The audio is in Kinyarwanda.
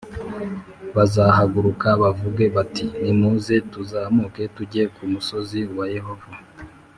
bazahaguruka bavuge bati “nimuze tuzamuke tujye ku musozi wa Yehova”